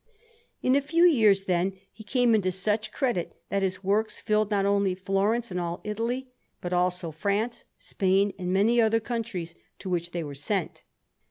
In a few years, then, he came into such credit, that his works filled not only Florence and all Italy, but also France, Spain, and many other countries to which they were sent.